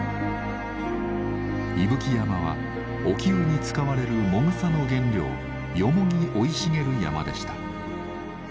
伊吹山はお灸に使われるもぐさの原料ヨモギ生い茂る山でした。